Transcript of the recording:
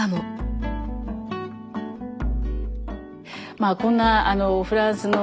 まあこんなフランスの。